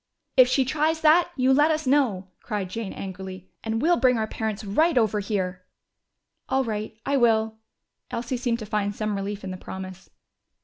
"If she tries that, you let us know," cried Jane angrily, "and we'll bring our parents right over here!" "All right, I will." Elsie seemed to find some relief in the promise.